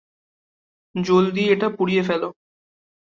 জলদি এটা পুড়িয়ে ফেলো।